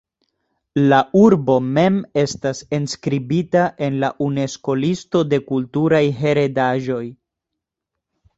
La urbo mem estas enskribita en la Unesko-listo de kulturaj heredaĵoj.